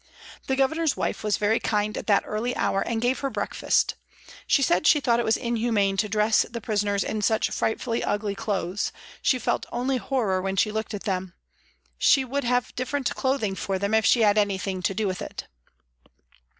The Governor's wife was very kind at that early hour and gave her breakfast. She said she thought it was inhuman to dress the prisoners in such frightfully ugly clothes, she felt only horror when she looked at them ; she would have different clothing for them if she had anything to do with it.